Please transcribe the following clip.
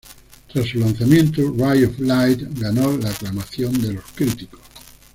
Tras su lanzamiento, "Ray of Light" ganó la aclamación de los críticos.